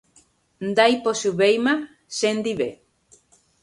ndaipochyvéima chendive